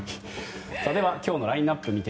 では今日のラインアップ